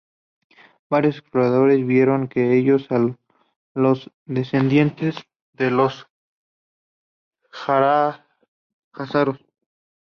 Varios exploradores vieron en ellos a los descendientes de los jázaros.